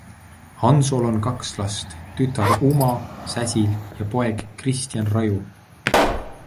Hansol on kaks last, tütar Uma Säsil ja poeg Kristjan Raju.